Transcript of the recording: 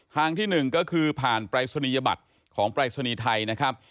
ทางที่๑ก็คือผ่านปรายศนียบัตรของปรายศนีย์ไทยนะครับ